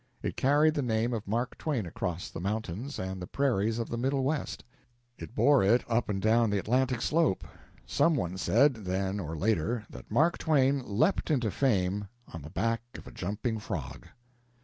It carried the name of Mark Twain across the mountains and the prairies of the Middle West; it bore it up and down the Atlantic slope. Some one said, then or later, that Mark Twain leaped into fame on the back of a jumping frog.